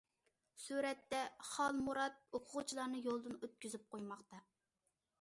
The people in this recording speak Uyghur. سۈرەتتە: خالمۇرات ئوقۇغۇچىلارنى يولدىن ئۆتكۈزۈپ قويماقتا.